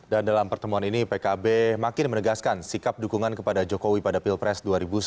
dan dalam pertemuan ini pkb makin menegaskan sikap dukungan kepada jokowi pada pilpres dua ribu sembilan belas